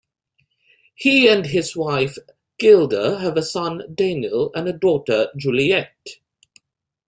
He and his wife Gilda have a son, Daniel, and a daughter, Juliet.